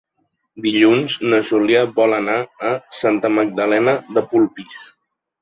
Dilluns na Júlia vol anar a Santa Magdalena de Polpís.